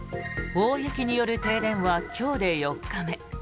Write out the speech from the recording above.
大雪による停電は今日で４日目。